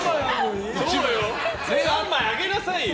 ３枚あげなさいよ。